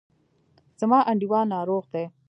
زما انډیوال ناروغ دی.